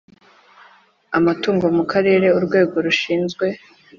amatugo mu Karere urwego rushinzwe